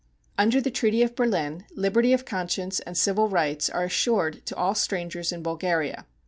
Under the treaty of Berlin liberty of conscience and civil rights are assured to all strangers in Bulgaria.